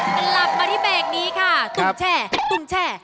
กลับมาที่เบค่านี้ตุ้งแช่ตุ้งแช่